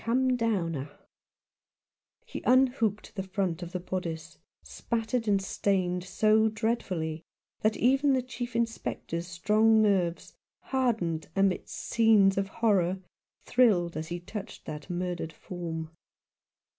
A come downer." He unhooked the front of the bodice, spattered and stained so dreadfully that even the Chief Inspector's strong nerves, hardened amidst scenes of horror, thrilled as he touched that murdered form.